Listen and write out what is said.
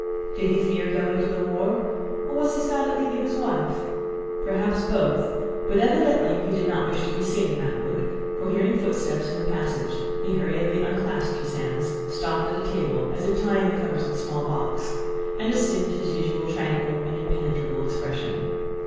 Did he fear going to the war, or was he sad at leaving his wife?—perhaps both, but evidently he did not wish to be seen in that mood, for hearing footsteps in the passage he hurriedly unclasped his hands, stopped at a table as if tying the cover of the small box, and assumed his usual tranquil and impenetrable expression.